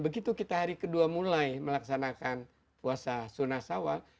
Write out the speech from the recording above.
begitu kita hari kedua mulai melaksanakan puasa sunnah sawal